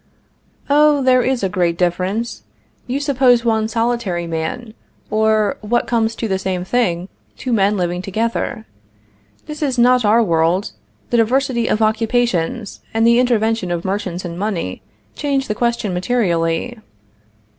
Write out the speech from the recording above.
Oh, there is a great difference. You suppose one solitary man, or, what comes to the same thing, two men living together. This is not our world; the diversity of occupations, and the intervention of merchants and money, change the question materially.